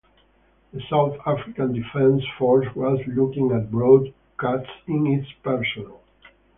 The South African Defence Force was looking at broad cuts in its personnel.